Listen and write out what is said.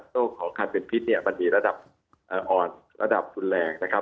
โรคของคันเป็นพิษเนี่ยมันมีระดับอ่อนระดับรุนแรงนะครับ